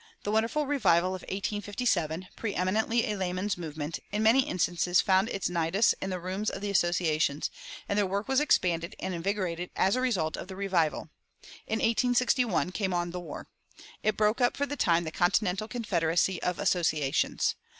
The wonderful revival of 1857, preëminently a laymen's movement, in many instances found its nidus in the rooms of the Associations; and their work was expanded and invigorated as a result of the revival. In 1861 came on the war. It broke up for the time the continental confederacy of Associations.